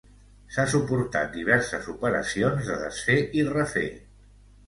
S'ha suportat diverses operacions de desfer i refer.